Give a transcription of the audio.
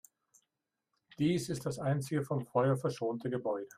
Dies ist das einzige vom Feuer verschonte Gebäude.